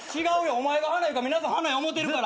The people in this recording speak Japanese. お前が『花』言うから皆さん『花』や思うてるから。